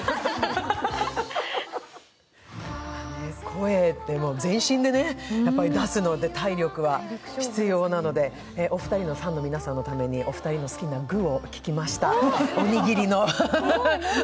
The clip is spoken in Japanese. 声って全身で出すので体力は必要なのでお二人のファンの皆さんのために、お二人の好きな具を聞きましたおにぎりの。